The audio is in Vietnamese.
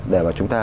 để mà chúng ta